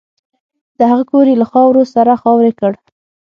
د هغه کور یې له خاورو سره خاورې کړ